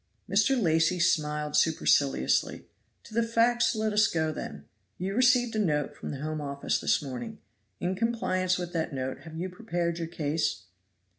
Mr. Lacy smiled superciliously. "To the facts let us go, then. You received a note from the Home Office this morning. In compliance with that note have you prepared your case?"